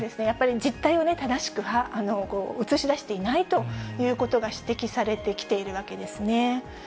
やっぱり実態を正しく映し出していないということが指摘されてきているわけですね。